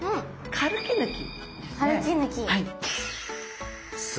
カルキ抜き。